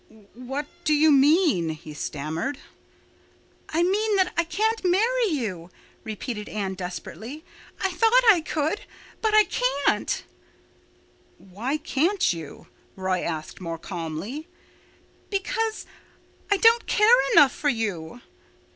"What do you mean?" he stammered. "I mean that I can't marry you," repeated Anne desperately. "I thought I could—but I can't." "Why can't you?" Roy asked more calmly. "Because—I don't care enough for you."